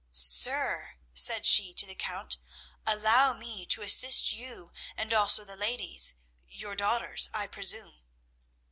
"Sir," said she to the Count, "allow me to assist you and also the ladies, your daughters, I presume."